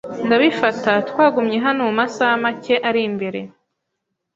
Ndabifata twagumye hano mumasaha make ari imbere.